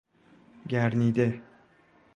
گرنیده